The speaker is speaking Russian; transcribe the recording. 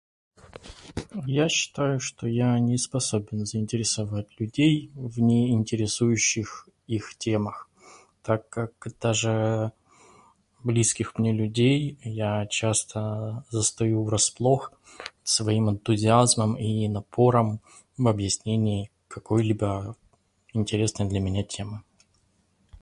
Я считаю, что я не способен заинтересовать людей в не интересующих их темах, так как даже близких мне людей я часто застаю врасплох своим энтузиазмом и напором в объяснении какой-либо интересной для меня темы.